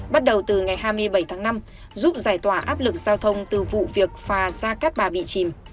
bắt đầu từ ngày hai mươi bảy tháng năm giúp giải tỏa áp lực giao thông từ vụ việc phà ra cát bà bị chìm